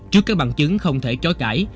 trước các bằng chứng không thể trói cãi